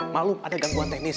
malu ada gangguan teknis